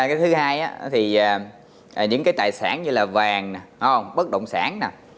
cái thứ hai thì những cái tài sản như là vàng bất động sản nè